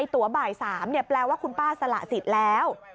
ตัวบ่าย๓แปลว่าคุณป้าสละสิทธิ์แล้ว